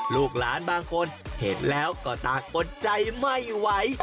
ลูกหลานบางคนเห็นแล้วก็ตากอดใจไม่ไหว